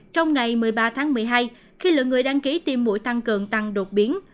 trong ngày một mươi ba tháng một mươi hai khi lượng người đăng ký tiêm mũi tăng cường tăng đột biến